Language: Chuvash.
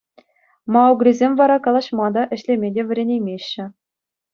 Мауглисем вара калаҫма та, ӗҫлеме те вӗренеймеҫҫӗ.